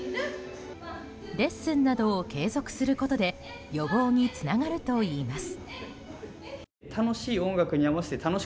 レッスンなどを継続することで予防につながるといいます。